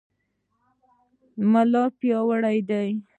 ملا پیاوړی دی.